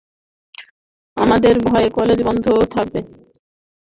আমাদের ভয়ে কলেজ বন্ধ থাকবে, ছাত্রীদের লেখাপড়ার ক্ষতি হবে—তা মোটেই কাম্য নয়।